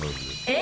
え？